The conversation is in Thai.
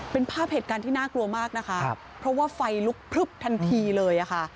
เป็นภาพเหตุการณ์ที่น่ากลัวมากนะคะเพราะว่าไฟลุกพลึบทันทีเลยค่ะ